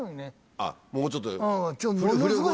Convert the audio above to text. あっもうちょっと。